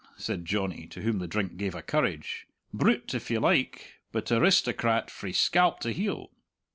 said Johnny, to whom the drink gave a courage. "Brute, if ye like, but aristocrat frae scalp to heel.